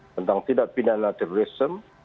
tentang tidak pindahkan terorisme